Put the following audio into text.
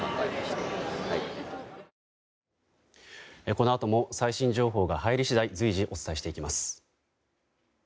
このあとも最新情報が入り次第随時、お伝えしていきます。